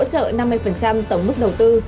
hỗ trợ năm mươi tổng mức đầu tư